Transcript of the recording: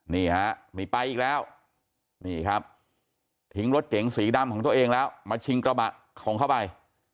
นี่ฮะนี่ไปอีกแล้วนี่ครับทิ้งรถเก๋งสีดำของตัวเองแล้วมาชิงกระบะของเขาไป